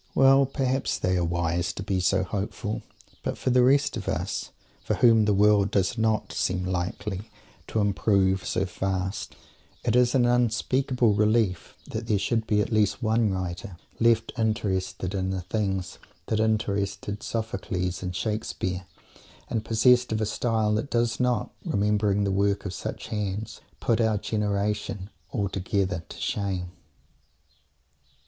Well, perhaps they are wise to be so hopeful. But for the rest of us, for whom the world does not seem likely to "improve" so fast, it is an unspeakable relief that there should be at least one writer left interested in the things that interested Sophocles and Shakespeare, and possessed of a style that does not, remembering the work of such hands, put our generation altogether to shame.